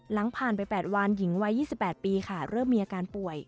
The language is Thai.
หลังผ่านไป๘วันหญิงวัย๒๘ปีค่ะเริ่มมีอาการป่วย